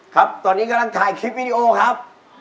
ครับตอนนี้กำลังถ่ายคลิปวิดีโอครับ